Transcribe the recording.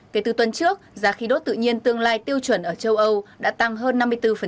kể từ tuần trước giá khí đốt tự nhiên tương lai tiêu chuẩn ở châu âu đã tăng hơn năm mươi bốn